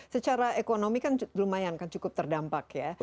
secara ekonomi kan lumayan kan cukup terdampak ya